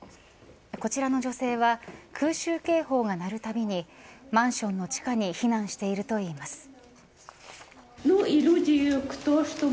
こちらの女性は空襲警報が鳴るたびにマンションの地下に避難しているといいます。